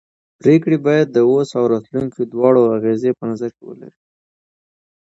پرېکړې باید د اوس او راتلونکي دواړو اغېزې په نظر کې ولري